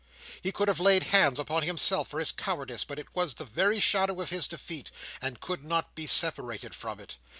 He could have laid hands upon himself for his cowardice, but it was the very shadow of his defeat, and could not be separated from it.